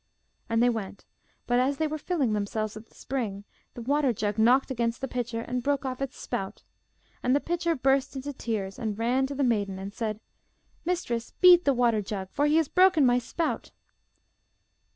And they went. But as they were filling themselves at the spring, the water jug knocked against the pitcher and broke off its spout. And the pitcher burst into tears, and ran to the maiden, and said: 'Mistress, beat the water jug, for he has broken my spout!